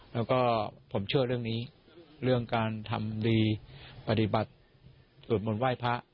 แล้วก็ผมเชื่อเรื่องนี้เรื่องการทำดีปฏิบัติสวดมนต์ไหว้พระ